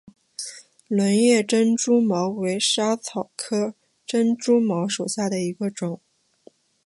轮叶珍珠茅为莎草科珍珠茅属下的一个种。